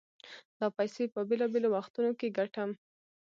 دا پيسې په بېلابېلو وختونو کې ګټم.